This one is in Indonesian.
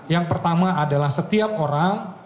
yang pertama adalah setiap orang